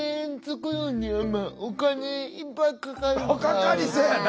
かかりそやな。